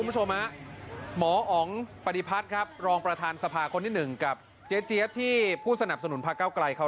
ใช้ความประมาณอย่างที่เราคิดว่า